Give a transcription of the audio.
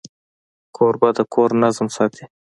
کوربه د کور نظم ساتي.